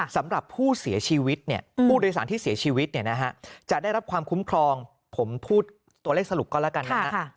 สำหรับผู้เสียชีวิตเนี่ยผู้โดยสารที่เสียชีวิตเนี่ยนะฮะจะได้รับความคุ้มครองผมพูดตัวเลขสรุปก็แล้วกันนะฮะ